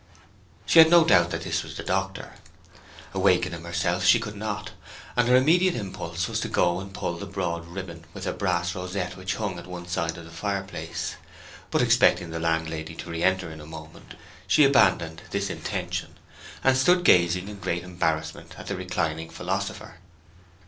She had no doubt that this was the doctor. Awaken him herself she could not, and her immediate impulse was to go and pull the broad ribbon with a brass rosette which hung at one side of the fireplace. But expecting the landlady to re enter in a moment she abandoned this intention, and stood gazing in great embarrassment at the reclining philosopher.